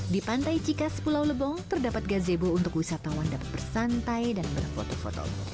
di pantai cikas pulau lebong terdapat gazebo untuk wisatawan dapat bersantai dan berfoto foto